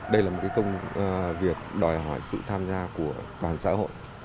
đây là một công việc đòi hỏi sự tham gia của toàn xã hội